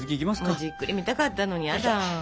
もうじっくり見たかったのにやだ。